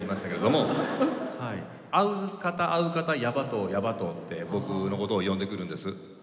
会う方会う方「ヤバ藤ヤバ藤」って僕のことを呼んでくるんです。